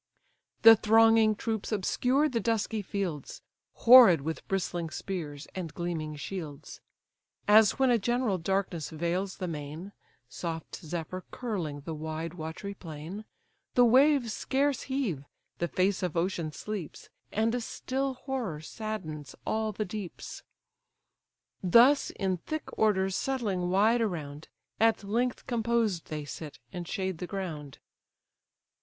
The thronging troops obscure the dusky fields, Horrid with bristling spears, and gleaming shields. As when a general darkness veils the main, (Soft Zephyr curling the wide wat'ry plain,) The waves scarce heave, the face of ocean sleeps, And a still horror saddens all the deeps; Thus in thick orders settling wide around, At length composed they sit, and shade the ground.